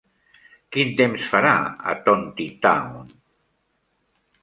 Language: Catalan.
Quin temps farà a Tontitown?